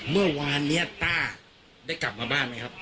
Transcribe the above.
เมื่อวานนี้ต้าได้กลับมาบ้านไหมครับ